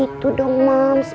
gitu dong mams